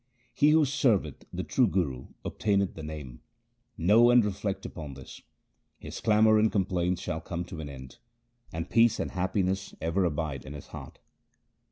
He who serveth the true Guru obtaineth the Name ; know and reflect upon this : His clamour and complaints shall come to an end, and peace and happiness ever abide in his heart.